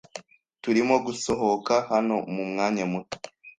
Turimo gusohoka hano mumwanya muto.